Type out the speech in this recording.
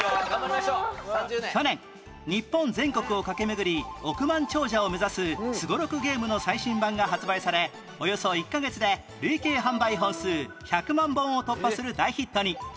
去年日本全国を駆け巡り億万長者を目指すすごろくゲームの最新版が発売されおよそ１カ月で累計販売本数１００万本を突破する大ヒットに